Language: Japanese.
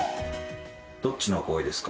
どっちの方が多いですか？